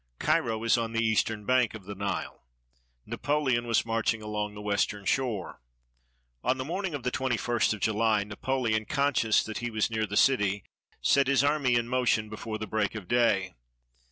Cairo is on the eastern bank of the Nile. Napoleon was marching along the western shore. On the morning of the 21st of July, Napoleon, conscious that he was near the city, set his army in motion before the break of day.